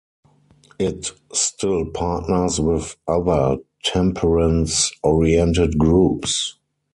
It still partners with other temperance-oriented groups.